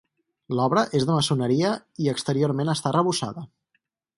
L'obra és de maçoneria i exteriorment està arrebossada.